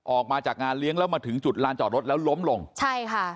ออกมาจากงานเลี้ยงแล้วมาถึงจุดลานจอดรถแล้วล้มลงใช่ค่ะ